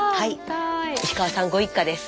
石川さんご一家です。